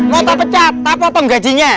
mau tak pecat tak potong gajinya